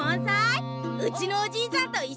うちのおじいちゃんといっしょだ！